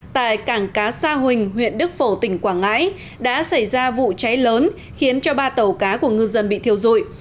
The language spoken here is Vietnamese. tại cảng cá sa huỳnh huyện đức phổ tỉnh quảng ngãi đã xảy ra vụ cháy lớn khiến cho ba tàu cá của ngư dân bị thiêu rụi